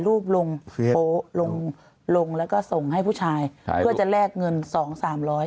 รูปลงลงแล้วก็ส่งให้ผู้ชายเพื่อจะแลกเงินสองสามร้อย